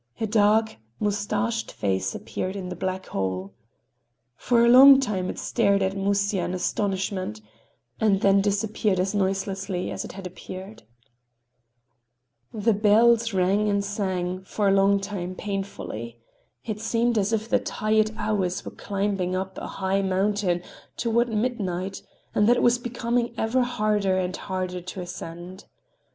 A dark, mustached face appeared in the black hole. For a long time it stared at Musya in astonishment—and then disappeared as noiselessly as it had appeared. The bells rang and sang, for a long time, painfully. It seemed as if the tired Hours were climbing up a high mountain toward midnight, and that it was becoming ever harder and harder to ascend.